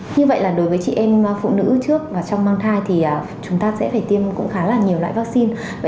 như vậy là đối với chị em phụ nữ trước và trong mang thai thì chúng ta sẽ phải tiêm cũng khá là nhiều loại vaccine